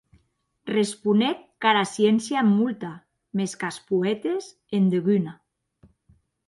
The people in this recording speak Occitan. Responec qu'ara sciéncia en molta; mès qu'as poètes en deguna.